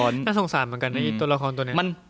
น่าสงสารเหมือนกันนะตัวละครตัวนี้